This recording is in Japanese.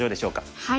はい。